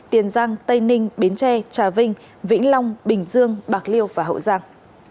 tiền giang tây ninh bến tre trà vinh vĩnh long bình dương bạc liêu và hậu giang